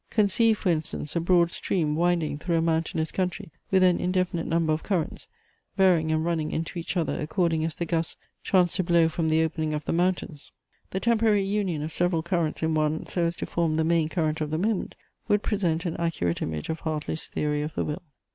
Conceive, for instance, a broad stream, winding through a mountainous country with an indefinite number of currents, varying and running into each other according as the gusts chance to blow from the opening of the mountains. The temporary union of several currents in one, so as to form the main current of the moment, would present an accurate image of Hartley's theory of the will.